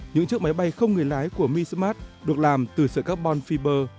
những chiếc máy bay không người lái của mi smart được làm từ sợi carbon fiber